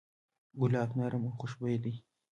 ګلاب نرم او خوشبویه دی.